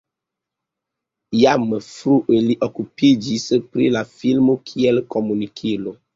Jam frue li okupiĝis pri la filmo kiel komunikilo.